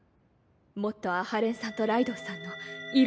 もっと阿波連さんとライドウさんのふぅ。